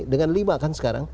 dengan lima kan sekarang